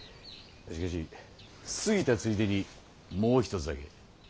しかし過ぎたついでにもう一つだけ。